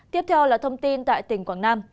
tiếp theo là thông tin tại tỉnh quảng nam